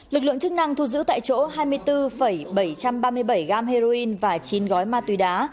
lực lượng chức năng thu giữ tại chỗ hai mươi bốn bảy trăm ba mươi bảy g heroin và chín gói ma túy đá